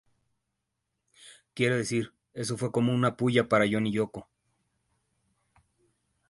Quiero decir, eso fue como una pulla para John y Yoko.